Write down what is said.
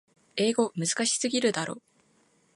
英語むずかしすぎだろ。